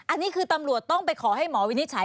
อันนี้คือตำรวจต้องไปขอให้หมอวินิจฉัย